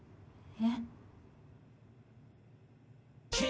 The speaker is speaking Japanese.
えっ？